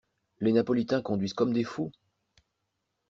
Les napolitains conduisent comme des fous!